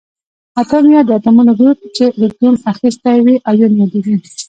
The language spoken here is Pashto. اتوم یا د اتومونو ګروپ چې الکترون اخیستی وي ایون یادیږي.